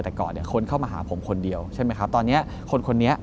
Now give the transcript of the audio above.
แต่ก่อนคนเข้ามาหาผมคนเดียวตอนนี้คนนี้